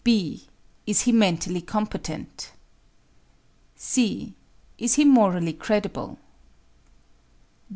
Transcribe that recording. (b) Is he mentally competent? (c) Is he morally credible?